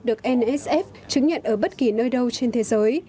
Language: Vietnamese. được nsf chứng nhận ở bất kỳ nơi đâu trên thế giới